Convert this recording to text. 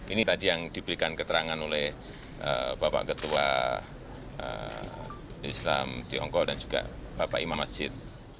ini tadi yang diberikan keterangan oleh bapak ketua islam tiongkok dan juga bapak imam masjid